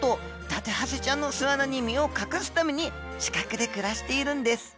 ダテハゼちゃんの巣穴に身を隠すために近くで暮らしているんです。